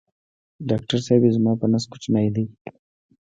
ډاکټر صېبې زما په نس کوچینی دی